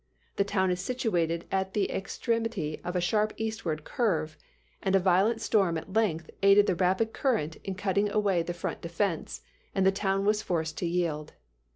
The town is situated at the extremity of a sharp eastward curve, and a violent storm at length aided the rapid current in cutting away the front defense, and the town was forced to yield.